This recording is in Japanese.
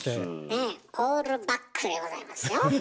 ねえオールバックでございますよ。